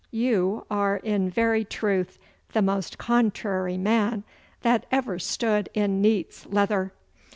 You are in very truth the most contrary man that ever stood in neat's leather.